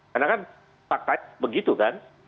karena kan fakta begitu kan